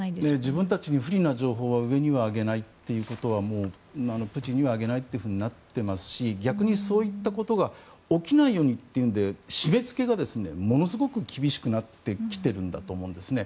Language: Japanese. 自分たちに不利な情報は上には上げないプーチンには上げないとなってますし逆に、そういったことが起きないようにというので締めつけがものすごく厳しくなってきているんだと思うんですね。